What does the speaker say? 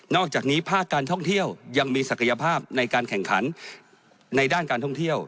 อกจากนี้ภาคการท่องเที่ยวยังมีศักยภาพในการแข่งขันในด้านการท่องเที่ยว